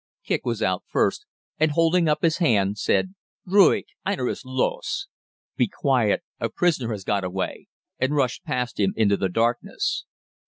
Kicq was out first, and holding up his hand said, "Ruhig, einer ist los!" (Be quiet, a prisoner has got away), and rushed past him into the darkness.